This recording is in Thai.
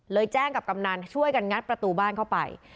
แจ้งกับกำนันช่วยกันงัดประตูบ้านเข้าไป